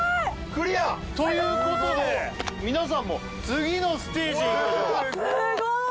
クリア！ということで皆さんも次のステージへすごい！